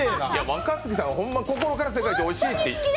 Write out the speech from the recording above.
若槻さんはホンマ、心から世界一おいしいって思って。